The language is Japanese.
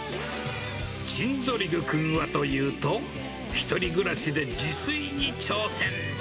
チンゾリグ君はというと、１人暮らしで自炊に挑戦。